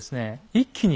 一気に。